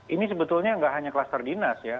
ini sebetulnya nggak hanya kluster dinas ya